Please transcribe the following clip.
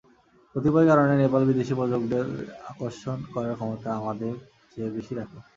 কতিপয় কারণে নেপাল বিদেশি পর্যটকদের আকর্ষণ করার ক্ষমতা আমাদের চেয়ে বেশি রাখে।